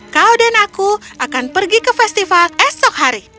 kau dan aku akan pergi ke festival esok hari